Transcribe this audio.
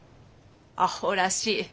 アホらしい。